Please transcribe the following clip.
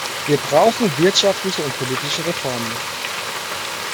Wir brauchen wirtschaftliche und politische Reformen.